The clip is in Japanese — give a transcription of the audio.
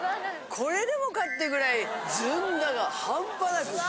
これでもかってぐらいずんだがハンパなく。